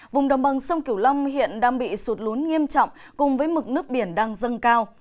vùng đồng bằng sông kiểu long hiện đang bị sụt lún nghiêm trọng cùng với mực nước biển đang dâng cao